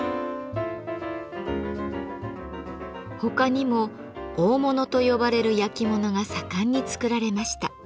他にも「大物」と呼ばれる焼き物が盛んに作られました。